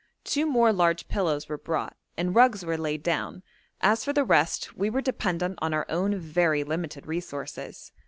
Two more large pillows were brought, and rugs were laid down; as for the rest we were dependent on our own very limited resources.